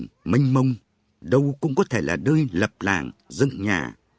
trường mênh mông đâu cũng có thể là nơi lập làng dân nhà